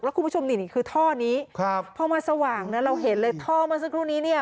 คุณผู้ชมนี่นี่คือท่อนี้ครับพอมาสว่างนะเราเห็นเลยท่อเมื่อสักครู่นี้เนี่ย